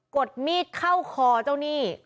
ดมีดเข้าคอเจ้าหนี้